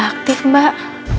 ga aktif mbak